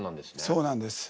そうなんです。